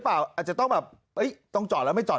อาจจะต้องจอดแล้วไม่จอด